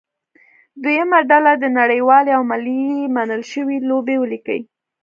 دویمه ډله دې نړیوالې او ملي منل شوې لوبې ولیکي.